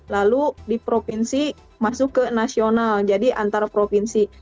lalu di provinsi masuk ke nasional jadi antar provinsi